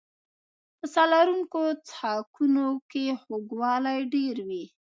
په ساه لرونکو څښاکونو کې خوږوالی ډېر وي.